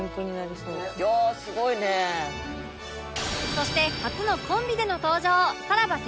そして初のコンビでの登場